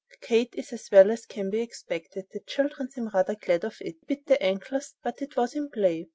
Kate is as well as can be expected. The children seem rather glad of it. He bit their ankles, but that was in play."